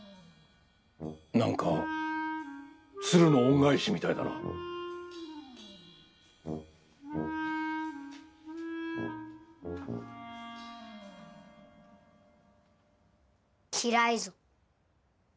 なんか『鶴の恩返し』みたいだな。嫌いぞ。